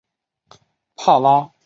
帕拉豹蛛为狼蛛科豹蛛属的动物。